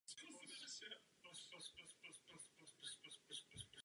Je nezbytné vytvořit závazné pokyny a zpřístupnit informace občanům.